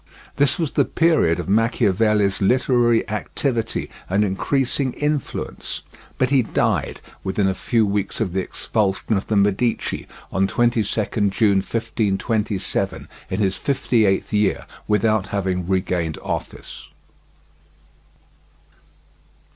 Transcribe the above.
This was the period of Machiavelli's literary activity and increasing influence; but he died, within a few weeks of the expulsion of the Medici, on 22nd June 1527, in his fifty eighth year, without having regained office.